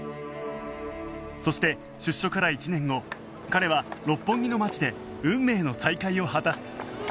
そして出所から１年後彼は六本木の街で運命の再会を果たす